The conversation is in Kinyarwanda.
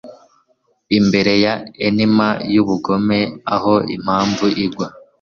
Imbere ya enigma yubugome aho impamvu igwa